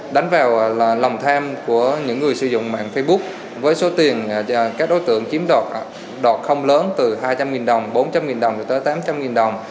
đánh vào là lòng tham của những người sử dụng mạng facebook với số tiền các đối tượng chiếm đoạt không lớn từ hai trăm linh đồng bốn trăm linh đồng cho tới tám trăm linh đồng